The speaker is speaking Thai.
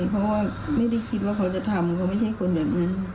เขาไม่ใช่คนเหมือนนั้น